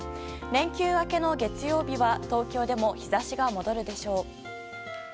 連休明けの月曜日は東京でも日差しが戻るでしょう。